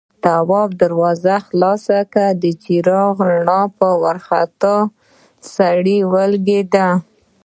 تواب دروازه خلاصه کړه، د څراغ رڼا په وارخطا سړي ولګېده.